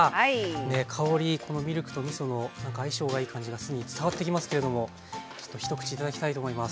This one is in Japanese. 香りこのミルクとみその相性がいい感じが伝わってきますけれどもちょっと一口頂きたいと思います。